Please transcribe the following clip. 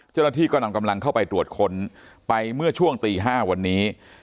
เจ้าหน้าที่ก็นำกำลังเข้าไปตรวจค้นไปเมื่อช่วงตี๕วันนี้